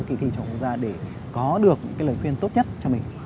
kỳ thị trọng quốc gia để có được những lời khuyên tốt nhất cho mình